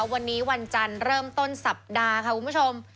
วันนี้วันจันทร์เริ่มต้นสัปดาห์ค่ะคุณผู้ชม